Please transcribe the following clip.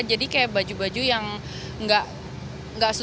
jadi kayak baju baju yang nggak susah